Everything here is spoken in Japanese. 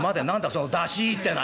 その出しいいってのは」。